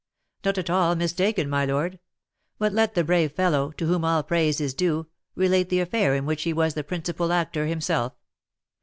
"Not at all mistaken, my lord. But let the brave fellow, to whom all praise is due, relate the affair in which he was the principal actor himself."